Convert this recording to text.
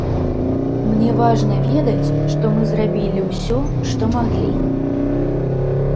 Мне важна ведаць, што мы зрабілі ўсё, што маглі.